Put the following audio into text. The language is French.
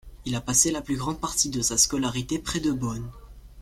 Il a passé la plus grande partie de sa scolarité près de Bonn.